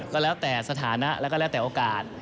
ก็แล้วแต่สถานะแล้วก็แล้วแต่โอกาส